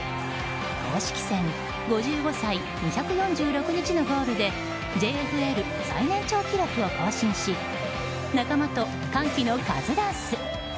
公式戦５５歳２４６日のゴールでＪＦＬ最年長記録を更新し仲間と歓喜のカズダンス。